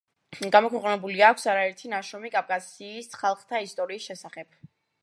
გამოქვეყნებული აქვს არაერთი ნაშრომი კავკასიის ხალხთა ისტორიის შესახებ.